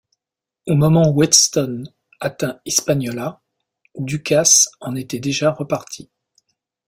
Au moment où Whetstone atteint Hispaniola, Du Casse en était déjà reparti.